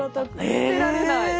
捨てられない。